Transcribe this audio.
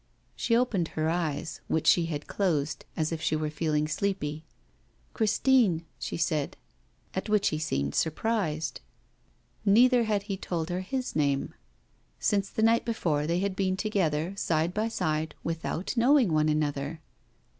She opened her eyes, which she had closed, as if she were feeling sleepy. 'Christine,' she said. At which he seemed surprised. Neither had he told her his name. Since the night before they had been together, side by side, without knowing one another.